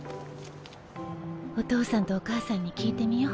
お父さんとお母さんに聞いてみよう。